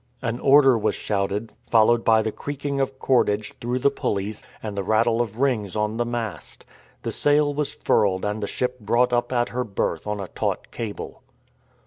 An order was shouted, followed by the creaking of cordage through the pulleys, and the rattle of rings on the mast. The sail was furled and the ship brought up at her berth on a taut cable.